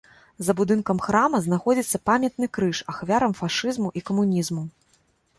За будынкам храма знаходзіцца памятны крыж ахвярам фашызму і камунізму.